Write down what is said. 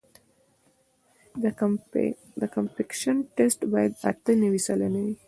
د کمپکشن ټسټ باید اته نوي سلنه وي